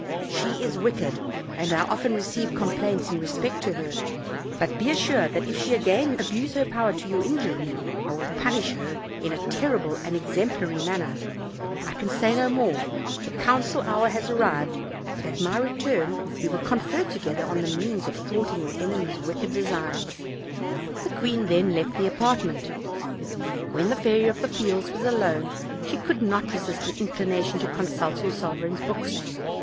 She is wicked, and I often receive complaints in respect to her; but be assured that if she again abuse her power to your injury, I will punish her in a terrible and exemplary manner; I can say no more: the council hour has arrived, 6LD, OLD FAIRY TALES, but at my return we will confer together on the means of thwarting your enemy's wicked designs." The queen then left the apartment. When the Fairy of the Fields was alone she could not resist an inclination to consult her sovereign's books.